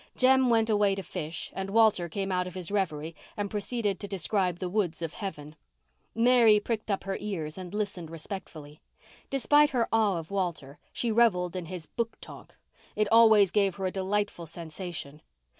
Jem went away to fish and Walter came out of his reverie and proceeded to describe the woods of heaven. Mary pricked up her ears and listened respectfully. Despite her awe of Walter she revelled in his "book talk." It always gave her a delightful sensation.